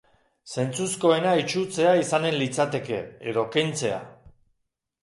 Zentzuzkoena itsutzea izanen litzateke, edo kentzea.